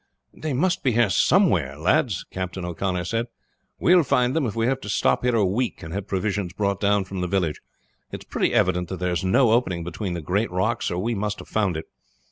"They must be here somewhere, lads!" Captain O'Connor said. "We will find them if we have to stop here a week, and have provisions brought down from the village. It's pretty evident there is no opening between the great rocks or we must have found it.